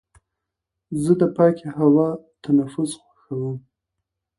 زه د پاکې هوا تنفس خوښوم.